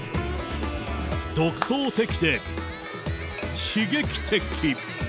独創的で刺激的。